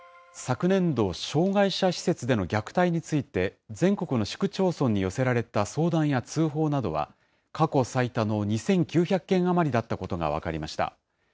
昨年度、障害者施設での虐待について、全国の市区町村に寄せられた相談や通報などは、過去最多の２９００件余りだったことが分かりました。